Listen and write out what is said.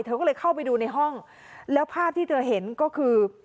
เธอก็เลยเข้าไปดูในห้องแล้วภาพที่เธอเห็นก็คือ